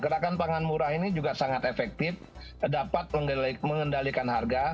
gerakan pangan murah ini juga sangat efektif dapat mengendalikan harga